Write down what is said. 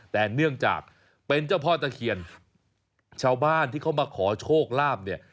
แต่เนื่องจากเป็นเจ้าพ่อตะเคียนชาวบ้านที่เขามาขอโชคลาภเนี่ย